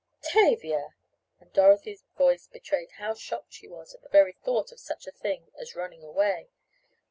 "Tavia!" and Dorothy's voice betrayed how shocked she was at the very thought of such a thing as "running away."